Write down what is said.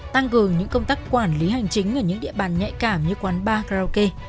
tăng cường những công tác quản lý hành chính ở những địa bàn nhạy cảm như quán bar karaoke